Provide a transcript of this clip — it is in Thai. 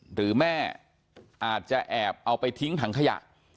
หรือแม่อาจจะแอบเอาไปทิ้งถังขยะ